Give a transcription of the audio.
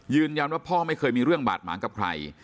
ยืนยันว่าพ่อไม่เคยมีเรื่องบาดหมากกับใคร